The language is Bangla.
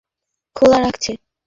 কে এই বালের গেট খোলা রাখছে?